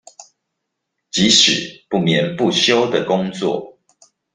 即使不眠不休的工作